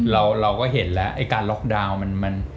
เราก็เห็นแล้วไอ้การล็อกดาวน์มัน